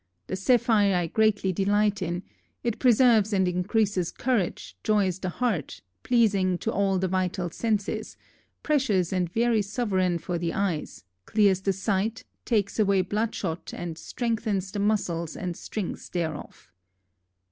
The saphier I greatlie delight in; yt preserves and increaseth courage, joies the hart, pleasinge to all the vitall sensis, precious and verie soveraigne for the eys, clears the sight, takes awaye bloudshott and streingthens the mussells and strings thereof."